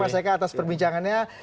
mas eka atas perbincangannya